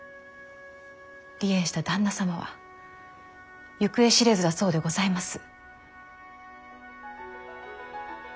離縁した旦那様は行方知れずだそうでございます。